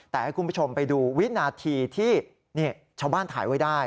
แต่ให้คุณผู้ชมไปดูวินาทีที่ชาวบ้านถ่ายไว้ได้